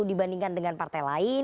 dibandingkan dengan partai lain